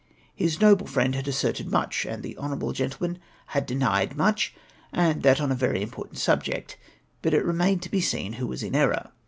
His noble friend had asserted much, and the honourable gentleman had denied much, and that on a very important subject ; hid it remained to be seen who tuas in error.